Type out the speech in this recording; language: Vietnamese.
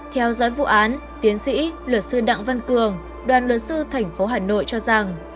theo dõi vụ án tiến sĩ luật sư đặng văn cường đoàn luật sư thành phố hà nội cho rằng